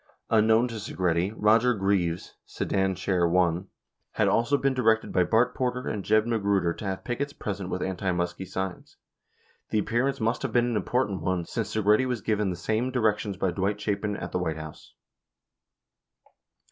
4 Unknown to Segretti, Roger Greaves (Sedan Chair I) had also been directed by Bart Porter and Jeb Magruder to have pickets present with anti Muskie signs. The appearance must have been an important one, since Segretti was given the same directions by Dwight Chapin at the White House.